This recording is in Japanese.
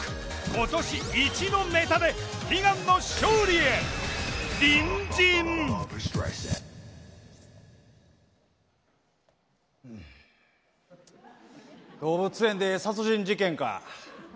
今年一のネタで悲願の勝利へ動物園で殺人事件か。